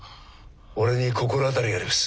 俺に心当たりがあります。